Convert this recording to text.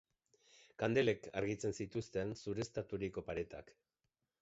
Kandelek argitzen zituzten zureztaturiko paretak.